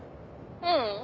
ううん。